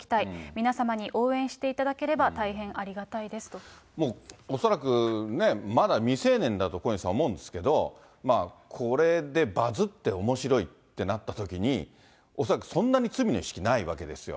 皆様に応援していただければ、大もう恐らく、まだ未成年だと、小西さん、思うんですけれども、これでバズっておもしろいってなったときに、恐らくそんなに罪の意識ないわけですよ。